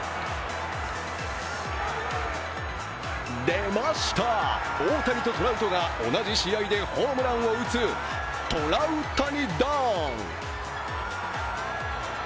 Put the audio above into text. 出ました、大谷とトラウトが同じ試合でホームランを打つトラウタニ弾。